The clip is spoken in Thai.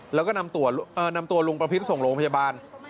แล้วก็นำตัวลุงประพิษส่งโรงพยาบาล